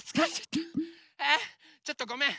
ちょっとごめん。